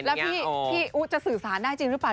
แล้วพี่อุ๊จะสื่อสารได้จริงหรือเปล่า